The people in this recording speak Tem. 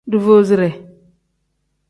Duvuuzire.